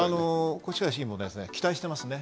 越川市議も期待しています。